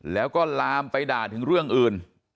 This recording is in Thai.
แล้วก็ลามไปด่าถึงเรื่องอื่น